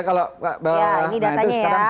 kalau pak bapak nah itu sekarang